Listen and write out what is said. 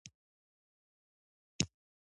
څنګه کولای شم پښتو ته خدمت وکړم